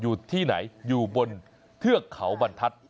อยู่ที่ไหนอยู่บนเทือกเขาบรรทัศน์